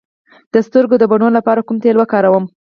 د سترګو د بڼو لپاره کوم تېل وکاروم؟